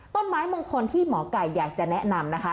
ต้นไม้มงคลที่หมอไก่อยากจะแนะนำนะคะ